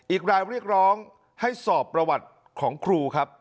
อีกรายเรียกร้องให้สอบประวัติของครูครับ